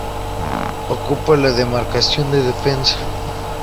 Ocupa la demarcación de defensa.